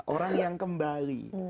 orang yang kembali